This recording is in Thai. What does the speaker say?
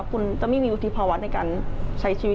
คุณจะไม่มีวุฒิภาวะในการใช้ชีวิต